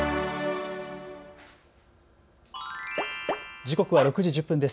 時刻は６時１０分です。